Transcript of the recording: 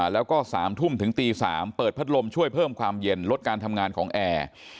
แล้วก็๓ทุ่มถึงตี๓เปิดพัดลมช่วยเพิ่มความเย็นลดการทำงานของแอร์